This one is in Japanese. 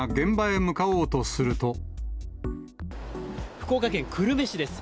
福岡県久留米市です。